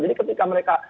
jadi ketika mereka